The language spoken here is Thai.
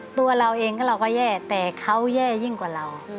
ตัวเราเองก็เราก็แย่แต่เขาแย่ยิ่งกว่าเรา